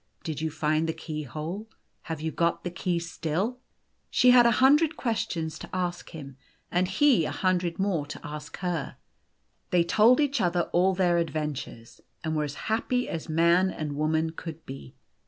Did you find the keyhole ? Have you got the key still ?" She had a hundred questions to ask him, and he a hundred more to ask her. They told each other all their adventures, and were as happy as man and woman could be.